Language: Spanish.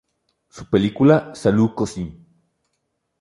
Su película "Salut cousin!